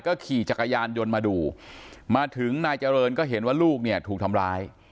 ขี่จักรยานยนต์มาดูมาถึงนายเจริญก็เห็นว่าลูกเนี่ยถูกทำร้าย